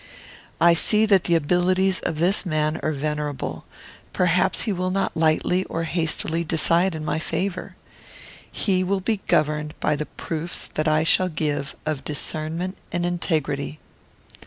I see that the abilities of this man are venerable. Perhaps he will not lightly or hastily decide in my favour. He will be governed by the proofs that I shall give of discernment and integrity.